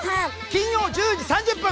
金曜１０時３０分。